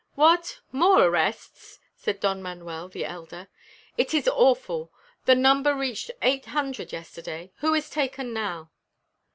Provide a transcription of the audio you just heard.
"What! more arrests," said Don Manuel the elder. "It is awful. The number reached eight hundred yesterday. Who is taken now?"